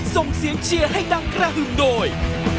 ส่งเสียงเชียร์ให้ดังกระหึ่มโดย